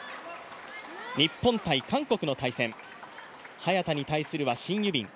日本×韓国の対戦、早田の相手はシン・ユビン。